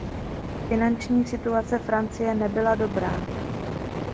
Finanční situace Francie nebyla dobrá.